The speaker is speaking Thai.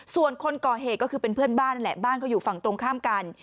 ส่วนคนก่อเหตุก็คือเป็นเพื่อนบ้านนั่นแหละบ้านเขาอยู่ฝั่งตรงข้ามกัน